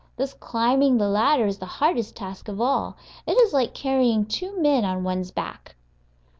This climbing the ladder is the hardest task of all; it is like carrying two men on one's back.